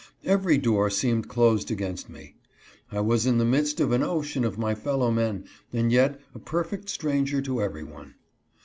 Every door seemed closed against me. I was in the midst of an ocean of my fellow men, and yet a perfect stranger to every one.